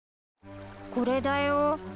これだよ。